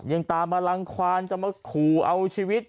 ยังตามมารังควานจะมาขู่เอาชีวิต